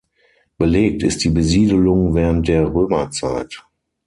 Belegt ist die Besiedelung während der Römerzeit.